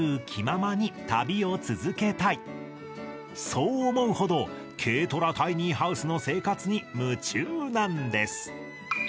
そう思うほど軽トラタイニーハウスの生活に夢中なんです